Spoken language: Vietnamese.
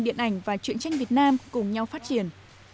điện ảnh và chuyện tranh việt nam cùng nhau phát triển